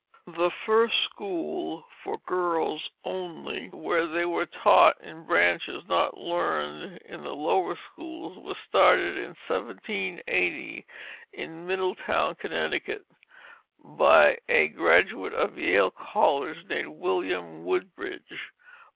The first school for girls only, where they were taught in branches not learned in the lower schools, was started in 1780 in Middletown, Connecticut, by a graduate of Yale College named William Woodbridge.